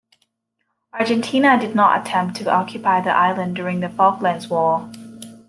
Argentina did not attempt to occupy the island during the Falklands War.